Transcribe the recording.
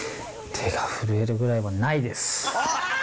手が震えるぐらいまで、ないです。